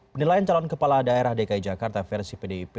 penilaian calon kepala daerah dki jakarta versi pdip